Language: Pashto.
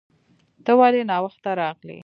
ته ولې ناوخته راغلې